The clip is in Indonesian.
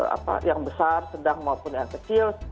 apa yang besar sedang maupun yang kecil